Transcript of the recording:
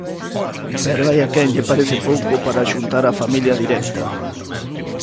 Pero hai a quen lle parece pouco para xuntar a familia directa.